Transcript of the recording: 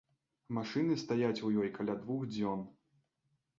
Машыны стаяць у ёй каля двух дзён.